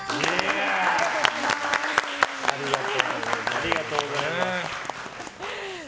ありがとうございます。